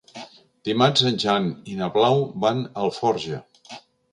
Dimarts en Jan i na Blau van a Alforja.